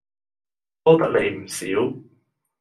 多得你唔少